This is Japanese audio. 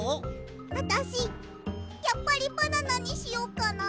あたしやっぱりバナナにしよっかな。